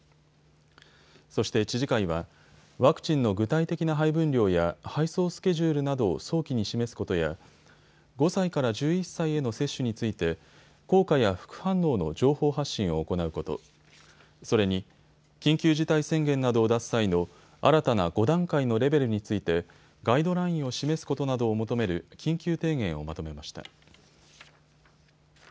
そして知事会はワクチンの具体的な配分量や配送スケジュールなどを早期に示すことや５歳から１１歳への接種について効果や副反応の情報発信を行うこと、それに、緊急事態宣言などを出す際の新たな５段階のレベルについてガイドラインを示すことなどを求める緊急提言をまとめました。